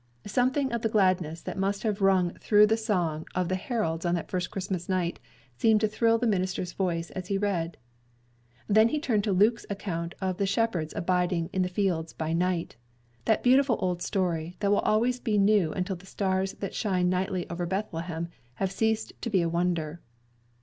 Something of the gladness that must have rung through the song of the heralds on that first Christmas night, seemed to thrill the minister's voice as he read. Then he turned to Luke's account of the shepherds abiding in the fields by night that beautiful old story, that will always be new until the stars that still shine nightly over Bethlehem shall have ceased to be a wonder.